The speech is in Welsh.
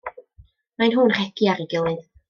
Mae nhw'n rhegi ar ei gilydd.